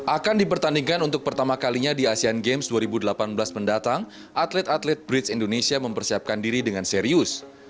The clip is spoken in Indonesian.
akan dipertandingkan untuk pertama kalinya di asean games dua ribu delapan belas mendatang atlet atlet bridge indonesia mempersiapkan diri dengan serius